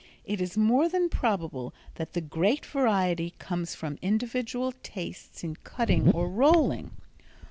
It is more than probable that the great variety comes from individual tastes in cutting or rolling.